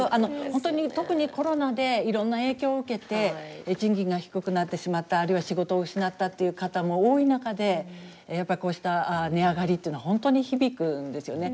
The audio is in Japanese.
本当に特にコロナでいろんな影響を受けて賃金が低くなってしまったあるいは仕事を失ったっていう方も多い中でやっぱりこうした値上がりっていうのは本当に響くんですよね。